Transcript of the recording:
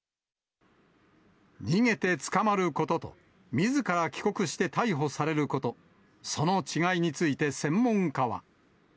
逃げて捕まることと、みずから帰国して逮捕されること、その違いについて専門家は。